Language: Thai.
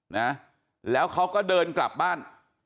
นะแล้วเขาก็เดินกลับบ้าน